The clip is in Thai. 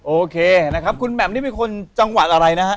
โอเคนะครับคุณแหม่มนี่เป็นคนจังหวัดอะไรนะฮะ